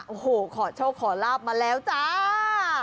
โอ้โหขอโชคขอลาบมาแล้วจ้า